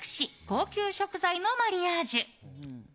高級食材のマリアージュ。